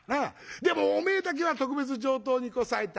でもおめえだけは特別上等にこさえた。